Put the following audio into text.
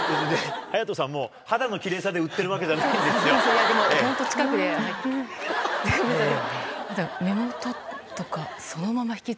颯人さんも肌のきれいさで売ってるわけじゃないんですよ。